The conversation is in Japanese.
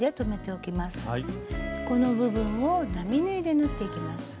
この部分を並縫いで縫っていきます。